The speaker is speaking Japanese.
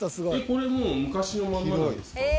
これもう昔のままなんですか？